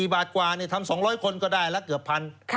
๔บาทกว่าทำ๒๐๐คนก็ได้แล้วเกือบ๑๐๐๐บาท